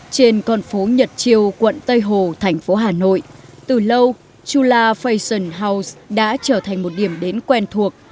trên con phố nhật triều quận tây hồ thành phố hà nội từ lâu chula fashion house đã trở thành một điểm đến quen thuộc